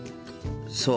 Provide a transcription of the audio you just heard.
そう。